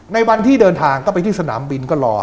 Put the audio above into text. ในวันที่เดินทางก็ไปที่สนามบินก็รอ